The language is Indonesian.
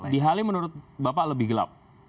di halim menurut bapak lebih gelap